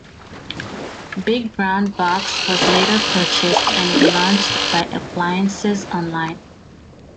Big Brown Box was later purchased and relaunched by Appliances Online.